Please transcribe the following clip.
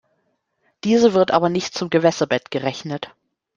Diese wird aber nicht zum Gewässerbett gerechnet.